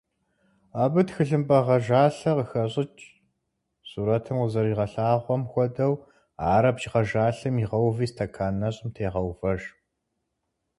Абы тхылъымпӀэ гъэжалъэ къыхэщӀыкӀ, сурэтым къызэригъэлъагъуэм хуэдэу, ар абдж гъэжалъэм игъэуви стэкан нэщӀым тегъэувэж.